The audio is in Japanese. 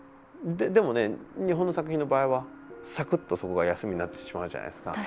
でもね、日本の作品の場合はさくっと、そこが休みになってしまうじゃないですか。